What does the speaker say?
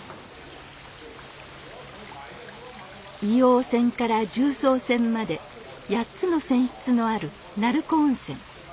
硫黄泉から重曹泉まで８つの泉質のある鳴子温泉。